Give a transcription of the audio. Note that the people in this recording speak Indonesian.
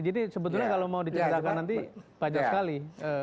jadi sebetulnya kalau mau diceritakan nanti banyak sekali